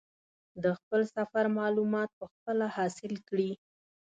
د خپل سفر معلومات په خپله حاصل کړي.